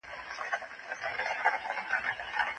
دا اتڼ د افغانانو رواج و او دی .